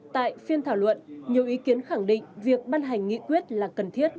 tại phiên thảo luận nhiều ý kiến khẳng định việc ban hành nghị quyết là cần thiết